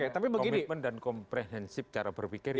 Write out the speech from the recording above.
komitmen dan komprehensif cara berpikirnya